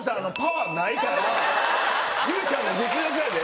結実ちゃんの実力やで。